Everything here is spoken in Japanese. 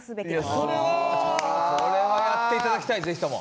これは。それはやっていただきたいぜひとも。